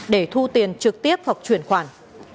để thu tiền trực tiếp hoặc chuyển khoản